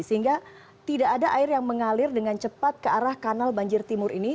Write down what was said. sehingga tidak ada air yang mengalir dengan cepat ke arah kanal banjir timur ini